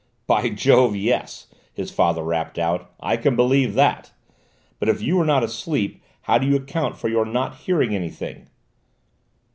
"By Jove, yes!" his father rapped out: "I can believe that! But if you were not asleep, how do you account for your not hearing anything?"